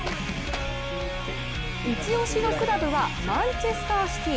一押しのクラブはマンチェスターシティ。